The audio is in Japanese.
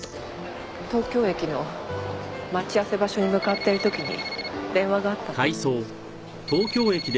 東京駅の待ち合わせ場所に向かってる時に電話があったの。